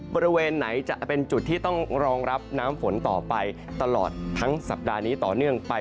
บริเวณไหนจะเป็นจุดที่ต้องรองรับน้ำฝนต่อไปตลอดทั้งสัปดาห์นี้ต่อเนื่องไป